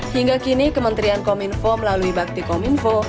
hingga kini kementerian kominfo melalui bakti kominfo